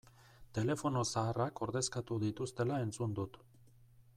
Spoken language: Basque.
Telefono zaharrak ordezkatu dituztela entzun dut.